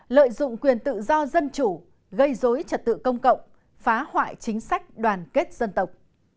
lợi dụng quyền tự do dân chủ gây dối trật tự công cộng phá hoại chính sách đoàn kết dân tộc